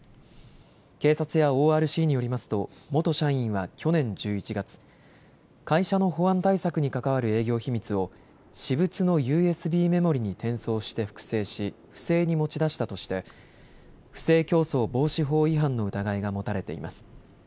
警察やＯＲＣによりますと元社員は去年１１月、会社の保安対策に関わる営業秘密を私物のＵＳＢメモリに転送して複製し不正に持ち出したとして不正競争防止法違反の疑いが持たれています。